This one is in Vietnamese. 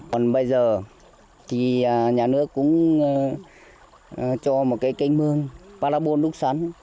còn bây giờ thì nhà nước cũng cho một cái canh mương palabon đúc sẵn